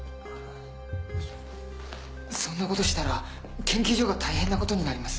そんなことしたら研究所が大変なことになります。